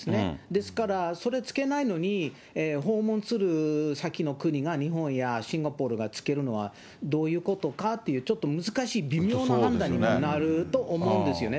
ですから、それつけないのに、訪問する先の国が、日本やシンガポールがつけるのはどういうことかという、ちょっと難しい、微妙な判断になると思うんですよね。